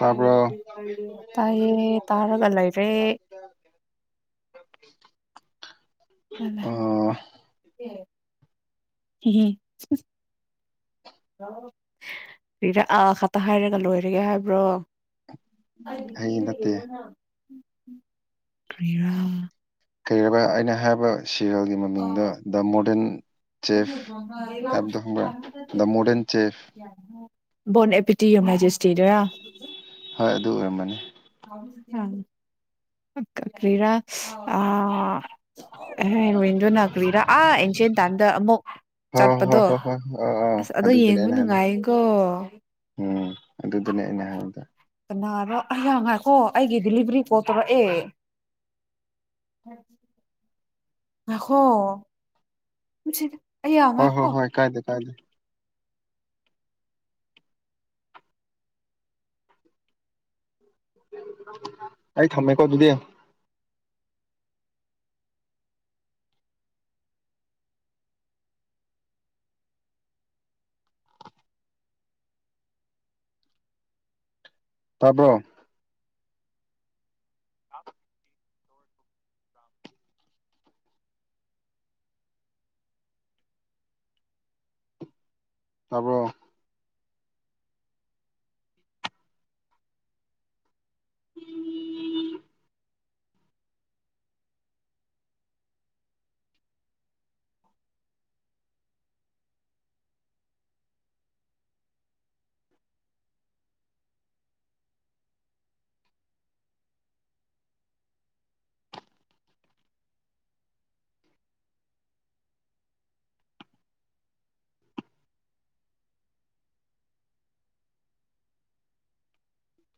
ꯇꯥꯕ꯭ꯔꯣ ꯇꯥꯏꯌꯦ ꯇꯥꯔꯒ ꯂꯩꯔꯦ꯫ ꯑ ꯑꯥ ꯈꯛꯇ ꯍꯥꯏꯔꯒ ꯂꯣꯏꯔꯒꯦ ꯍꯥꯏꯕ꯭ꯔꯣ ꯑꯩꯗꯤ ꯑꯩ ꯅꯠꯇꯦ ꯄꯤꯔꯌꯦꯅ ꯀꯔꯤꯔ ꯀꯩꯨꯝꯕ ꯑꯩꯅ ꯍꯥꯏꯕ ꯁꯦꯔꯤꯌꯦꯜꯒꯤ ꯃꯃꯤꯡꯗꯣ ꯗ ꯃꯣꯗꯔꯟ ꯆꯦꯐ ꯍꯥꯏꯕꯗꯣ ꯈꯪꯕ꯭ꯔꯥ ꯗ ꯃꯣꯗꯔꯟ ꯆꯦꯐ ꯣꯟ ꯑꯦꯄꯦꯇꯤꯌꯝ ꯍꯥꯏ ꯖꯁꯇꯤꯗꯔ ꯍꯣꯏ ꯑꯗꯨ ꯑꯣꯏꯔꯝꯃꯅꯤ ꯀꯀ꯭ꯔꯤꯔꯥ ꯑ ꯍꯦꯔꯣꯋꯟꯗꯨꯣꯅꯀ꯭ꯔꯤꯔꯥ ꯑꯥ ꯑꯦꯟꯁꯤꯌꯥꯟ ꯇꯥꯟꯗ ꯑꯃꯨꯛ ꯍꯣꯏ ꯍꯣꯏ ꯆꯠꯄꯗꯣ ꯍꯣꯏ ꯍꯣꯏ ꯍꯣꯏ ꯍ ꯑ ꯑꯁ ꯑꯗꯣ ꯌꯦꯡꯕ ꯑꯗꯨꯗꯨꯅꯦꯅ ꯍꯥꯟꯅ ꯅꯨꯡꯉꯥꯏꯀꯣ ꯎꯝ ꯑꯗꯨꯗꯅꯦ ꯑꯩꯅ ꯍꯥꯏꯕꯗ ꯑꯩꯍ ꯉꯥꯏꯈꯣ ꯑꯩꯒꯤ ꯗꯤꯂꯤꯚꯔꯤ ꯀꯣ ꯇꯧꯔꯛꯑꯦ ꯉꯥꯏꯈꯣ ꯑꯌꯥ ꯍꯣꯏ ꯍꯣꯏ ꯉꯥꯏꯈꯣ ꯍꯣꯏ ꯀꯥꯏꯗꯦ ꯀꯥꯏꯗꯦ ꯑꯩ ꯊꯝꯃꯦꯀꯣ ꯑꯗꯨꯗꯤ ꯊꯕꯣ ꯇꯥꯔꯕ ꯎꯝ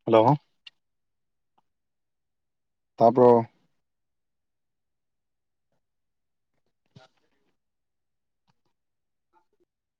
ꯍꯂꯣ ꯇꯄꯣ